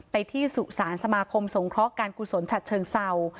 ไปที่สุสานสมาคมสงเคราะห์การกุศลฉัดเชิงเศร้า